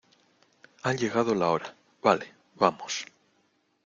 ha llegado la hora. vale, vamos .